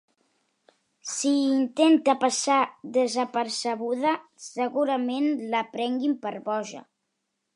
Si intenta passar desapercebuda, segurament la prenguin per boja.